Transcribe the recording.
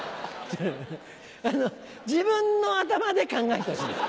自分の頭で考えてほしいんです。